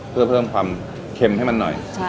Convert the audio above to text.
เพื่อเพิ่มความเค็มให้มันหน่อย